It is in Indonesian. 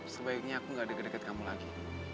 sebaiknya aku gak deket deket kamu lagi